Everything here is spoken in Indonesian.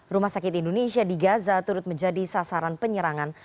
rumah sakit indonesia di gaza turut menjadi sasaran penyerangan